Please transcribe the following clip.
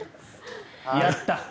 やった。